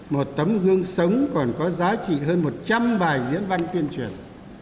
một tấm gương sống còn có giá trị hơn một trăm linh bài diễn văn tuyên truyền